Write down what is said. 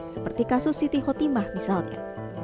seperti kasus siti khotimah misalnya